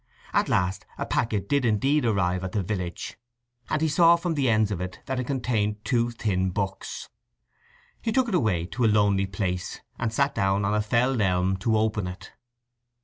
At last a packet did indeed arrive at the village, and he saw from the ends of it that it contained two thin books. He took it away into a lonely place, and sat down on a felled elm to open it.